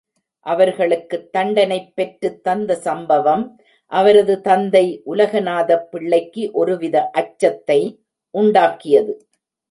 அவர்களுக்குத் தண்டனைப் பெற்றுத் தந்த சம்பவம், அவரது தந்தை உலகநாதப் பிள்ளைக்கு ஒருவித அச்சத்தை உண்டாக்கியது.